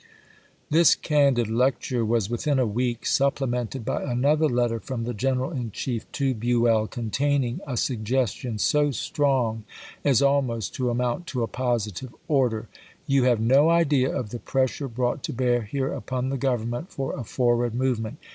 This candid lecture was within a week supple mented by another letter from the General in Chief to Buell containing a suggestion so strong as al most to amount to a positive order. " You have no idea of the pressure brought to bear here upon the Government for a forward movement.